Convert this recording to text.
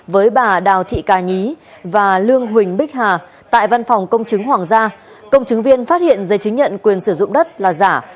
với bà đào thị cà nhí và lương huỳnh bích hà tại văn phòng công chứng hoàng gia công chứng viên phát hiện giấy chứng nhận quyền sử dụng đất là giả